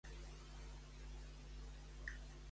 Com s'anomenava l'espòs de Mboze?